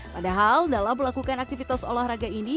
padahal dalam melakukan aktivitas olahraga ini